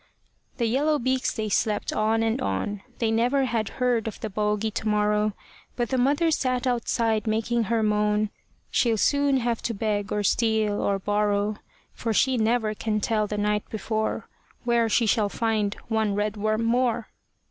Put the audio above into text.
The yellow beaks they slept on and on They never had heard of the bogy To morrow; But the mother sat outside, making her moan She'll soon have to beg, or steal, or borrow. For she never can tell the night before, Where she shall find one red worm more.